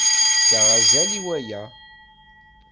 Tefka azal i waya.